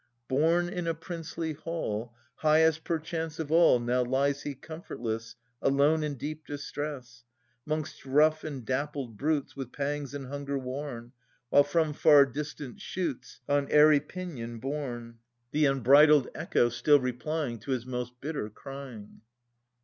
Born in a princely hall, Highest, perchance, of all, Now lies he comfortless Alone in deep distress, 'Mongst rough and dappled brutes. With pangs and hunger worn; While from far distance shoots, On airy pinion borne, T 274 Philoctetes [190 316 The unbridled Echo, still replying To his most bitter crying.